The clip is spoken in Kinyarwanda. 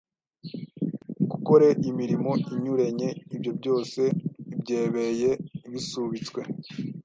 gukore imirimo inyurenye, ibyo byose byebeye bisubitswe..